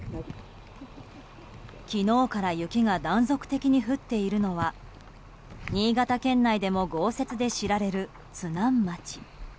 昨日から雪が断続的に降っているのは新潟県内でも豪雪で知られる津南町。